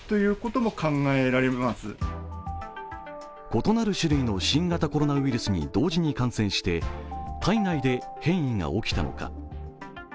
異なる種類の新型コロナウイルスに同時に感染して体内で変異が起きたのか。